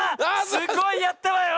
すごいやったわよ！